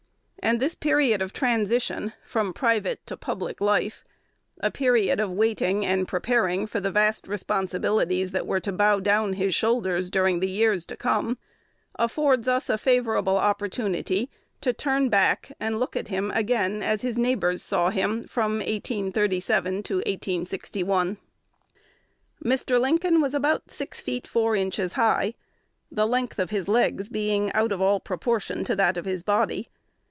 And this period of transition from private to public life a period of waiting and preparing for the vast responsibilities that were to bow down his shoulders during the years to come affords us a favorable opportunity to turn back and look at him again as his neighbors saw him from 1837 to 1861. Mr. Lincoln was about six feet four inches high, the length of his legs being out of all proportion to that of his body.